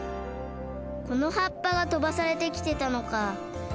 この葉っぱがとばされてきてたのか。